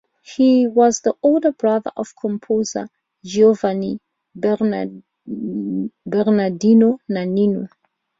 He was the older brother of composer Giovanni Bernardino Nanino.